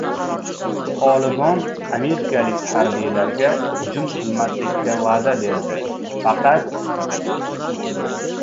«Tolibon» amerikalik harbiylarga hujum qilmaslikka va’da berdi: faqat...